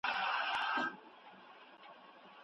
ترنګ به سو، سارنګ به سو، پیاله به سو، مینا به سو.